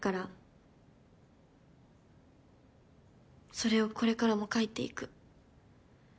それをこれからも描いていく。